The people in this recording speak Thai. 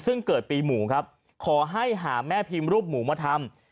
ซึ่งเกิดปีหมูครับขอให้หาแม่พิมพ์รูปหมูมาทำ